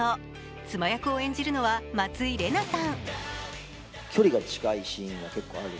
妻役を演じるのは松井玲奈さん。